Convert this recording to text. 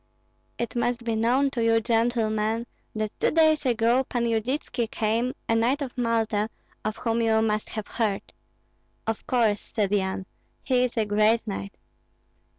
"It must be known to you, gentlemen, that two days ago Pan Yudytski came, a knight of Malta, of whom you must have heard." "Of course," said Yan; "he is a great knight."